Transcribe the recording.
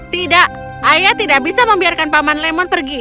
tidak ayah tidak bisa membiarkan paman lemon pergi